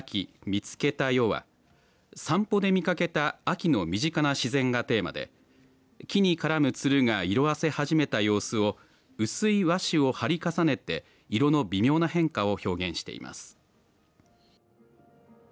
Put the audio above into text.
見つけたよは散歩で見かけた秋の身近な自然がテーマで木に絡むつるが色あせ始めた様子を薄い和紙を貼り重ねて色の微妙な変化を表現しています。